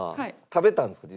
食べたんですか？